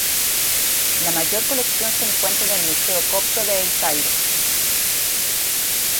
La mayor colección se encuentra en el Museo Copto de El Cairo.